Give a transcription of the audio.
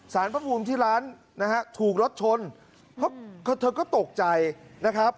สารพระภูมิที่ร้านนะฮะถูกรถชนเขาก็ตกใจนะครับ